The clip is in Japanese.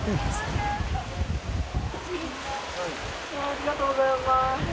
ありがとうございます。